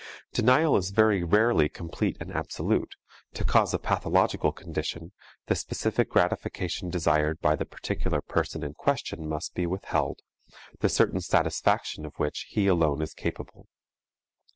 Denial is very rarely complete and absolute; to cause a pathological condition, the specific gratification desired by the particular person in question must be withheld, the certain satisfaction of which he alone is capable.